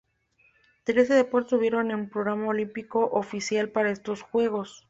Trece deportes estuvieron en el programa olímpico oficial para estos Juegos.